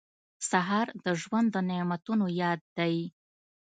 سهار د ژوند د نعمتونو یاد دی.